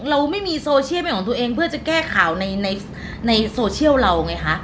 เราไม่มีโซเชียลเป็นของตัวเองเพื่อจะแก้ข่าวในโซเชียลเราไงคะ